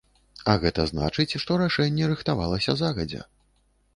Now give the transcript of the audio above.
А гэта значыць, што рашэнне рыхтавалася загадзя.